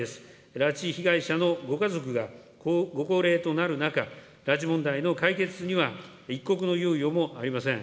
拉致被害者のご家族がご高齢となる中、拉致問題の解決には、一刻の猶予もありません。